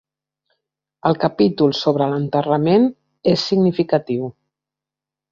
El capítol sobre l'enterrament és significatiu.